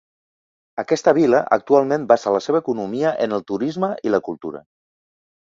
Aquesta vila actualment basa la seva economia en el turisme i la cultura.